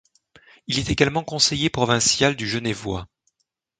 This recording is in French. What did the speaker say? Il est également conseiller provincial du Genevois.